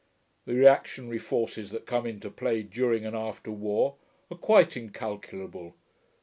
The reactionary forces that come into play during and after war are quite incalculable.